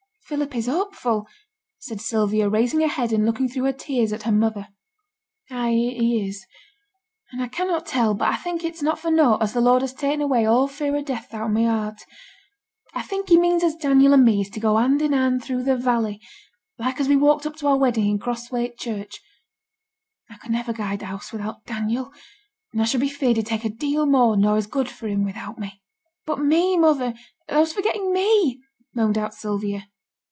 'Philip is hopeful,' said Sylvia, raising her head and looking through her tears at her mother. 'Ay, he is. And I cannot tell, but I think it's not for nought as the Lord has ta'en away all fear o' death out o' my heart. I think He means as Daniel and me is to go hand in hand through the valley like as we walked up to our wedding in Crosthwaite Church. I could never guide th' house without Daniel, and I should be feared he'd take a deal more nor is good for him without me.' 'But me, mother, thou's forgetting me,' moaned out Sylvia.